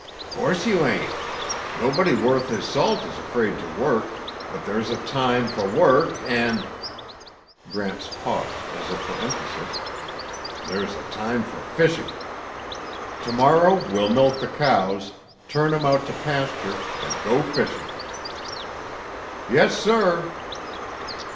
"'Course you ain't. Nobody worth his salt is afraid to work, but there's a time for work and," Gramps paused as if for emphasis, "there's a time for fishing. Tomorrow we'll milk the cows, turn 'em out to pasture, and go fishing." "Yes, sir."